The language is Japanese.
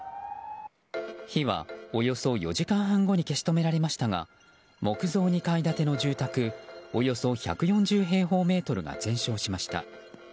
火はおよそ４時間半後に消し止められましたが木造２階建ての住宅およそ１４０平方メートルが全焼しました。